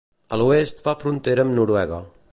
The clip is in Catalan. A l'oest fa frontera amb Noruega.